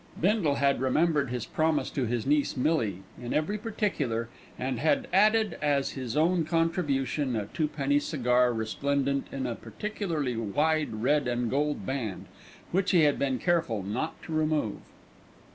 Bindle had remembered his promise to his niece, Millie, in every particular, and had added as his own contribution a twopenny cigar resplendent in a particularly wide red and gold band, which he had been careful not to remove.